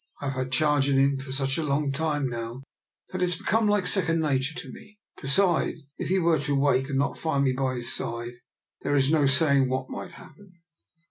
I have had charge of him for such a long time now that it has become like second nature to me. Besides, if he were to wake and not find me by his side, there is no saying what might happen.